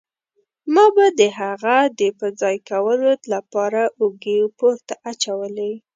ما به د هغه د په ځای کولو له پاره اوږې پورته اچولې.